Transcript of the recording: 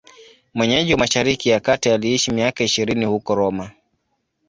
Mwenyeji wa Mashariki ya Kati, aliishi miaka ishirini huko Roma.